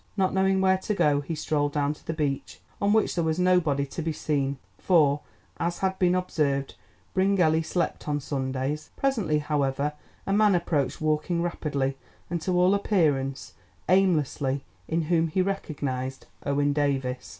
Not knowing where to go, he strolled down to the beach, on which there was nobody to be seen, for, as has been observed, Bryngelly slept on Sundays. Presently, however, a man approached walking rapidly, and to all appearance aimlessly, in whom he recognised Owen Davies.